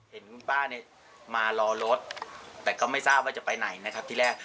เห็นคุณป้าเนี่ยมารอรถแต่ก็ไม่ทราบว่าจะไปไหนนะครับที่แรก